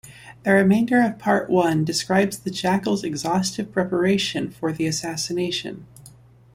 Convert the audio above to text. The remainder of Part One describes the Jackal's exhaustive preparations for the assassination.